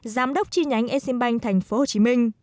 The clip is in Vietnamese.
giám đốc chi nhánh eximbank tp hcm